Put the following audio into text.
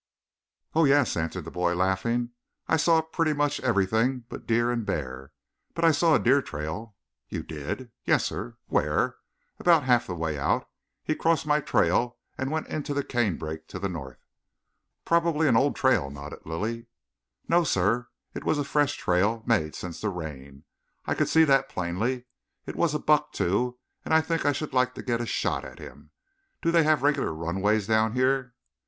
"Oh, yes," answered the boy laughing. "I saw pretty much everything but deer and bear. But I saw a deer trail." "You did?" "Yes, sir." "Where?" "About half the way out. He crossed my trail and went into the canebrake to the north." "Probably an old trail," nodded Lilly. "No, sir, it was a fresh trail made since the rain. I could see that plainly. It was a buck, too, and I think I should like to get a shot at him. Do they have regular runways down here?"